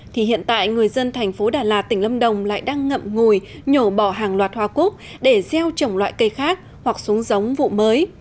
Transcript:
thì hiện tại người dân thành phố đà lạt tỉnh lâm đồng lại đang ngậm ngùi nhổ bỏ hàng loạt hoa cúc để gieo trồng loại cây khác hoặc xuống giống vụ mới